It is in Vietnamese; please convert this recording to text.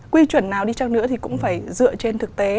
quy chuẩn nào đi chăng nữa thì cũng phải dựa trên thực tế